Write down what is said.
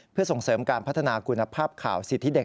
เพื่อส่งเสริมการพัฒนาคุณภาพข่าวสิทธิเด็ก